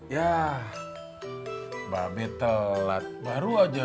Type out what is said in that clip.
ya babi telat baru aja